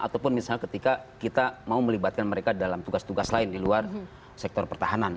ataupun misalnya ketika kita mau melibatkan mereka dalam tugas tugas lain di luar sektor pertahanan